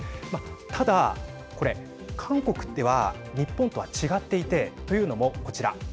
ただ、これ韓国では日本とは違っていてというのもこちら。